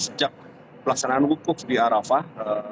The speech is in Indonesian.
sejak pelaksanaan wukuf di arafah